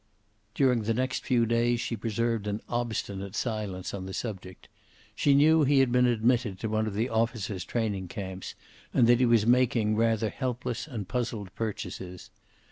During the next few days she preserved an obstinate silence on the subject. She knew he had been admitted to one of the officers' training camps, and that he was making rather helpless and puzzled purchases.